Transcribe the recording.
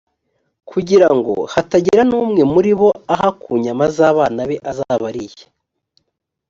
kugira ngo hatagira n’umwe muri bo aha ku nyama z’abana be azaba ariye,